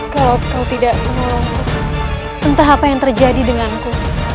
kalau kau tidak menolongku entah apa yang terjadi denganku